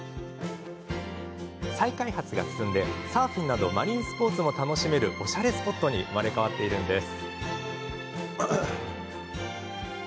再開発が進んでサーフィンなどマリンスポーツも楽しめるおしゃれスポットに生まれ変わっているんです。